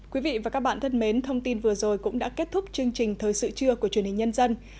quý vị và các bạn thân mến thông tin vừa rồi cũng đã kết thúc chương trình thời sự trưa của truyền hình nhân dân